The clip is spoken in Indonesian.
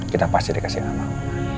kita pasti dikasih anak